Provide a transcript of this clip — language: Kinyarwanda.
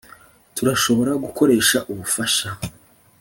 Turashobora gukoresha ubufasha